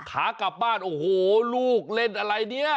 ขากลับบ้านโอ้โหลูกเล่นอะไรเนี่ย